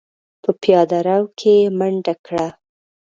په پياده رو کې يې منډه کړه.